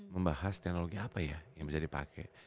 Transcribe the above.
membahas teknologi apa ya yang bisa dipakai